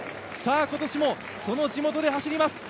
今年もその地元で走ります。